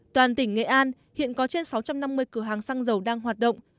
toàn tỉnh nghệ an hiện có trên sáu trăm năm mươi cửa hàng xăng dầu đang hoạt động